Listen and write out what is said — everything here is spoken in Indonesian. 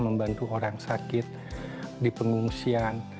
membantu orang sakit dipengungsian